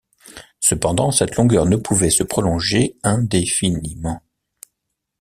Cependant, cette longueur ne pouvait se prolonger indéfiniment.